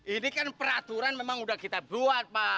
ini kan peraturan memang sudah kita buat pak